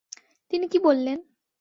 তিনি কী বললেন?